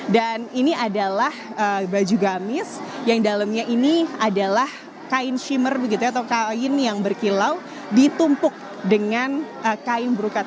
dan ini adalah baju gamis yang dalamnya ini adalah kain shimmer begitu ya atau kain yang berkilau ditumpuk dengan kain brukat